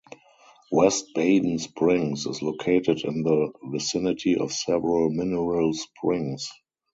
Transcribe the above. West Baden Springs is located in the vicinity of several mineral springs.